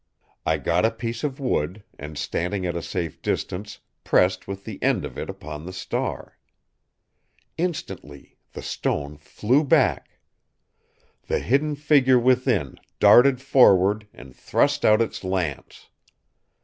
I got a piece of wood, and, standing at a safe distance, pressed with the end of it upon the star. "Instantly the stone flew back. The hidden figure within darted forward and thrust out its lance.